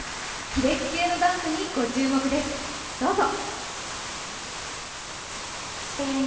キレッキレのダンスにご注目です、どうぞ。